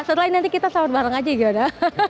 setelah ini nanti kita sahur bareng aja gimana